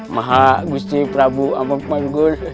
maha gusti prabu